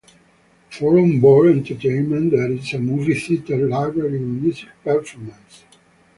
For on-board entertainment there is a movie theater, library and music performances.